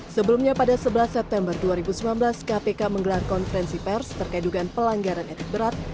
sebelumnya pada sebelas september dua ribu sembilan belas kpk menggelar konferensi pers terkait dugaan pelanggaran etik berat